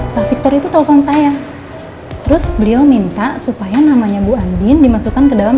pak victor itu telepon saya terus beliau minta supaya namanya bu andin dimasukkan ke dalam